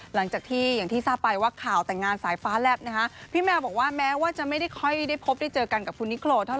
หลังจากที่อย่างที่ทราบไปว่าข่าวแต่งงานสายฟ้าแลบนะคะพี่แมวบอกว่าแม้ว่าจะไม่ได้ค่อยได้พบได้เจอกันกับคุณนิโครเท่าไ